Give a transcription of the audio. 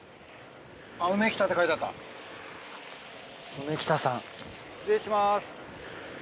梅北さん失礼します。